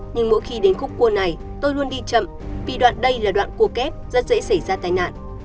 nhưng mỗi khi đến khúc cua này tôi luôn đi chậm vì đoạn đây là đoạn cua kép rất dễ xảy ra tai nạn